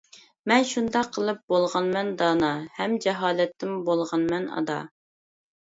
مەن شۇنداق قىلىپ بولغانمەن دانا، ھەم جاھالەتتىن بولغانمەن ئادا.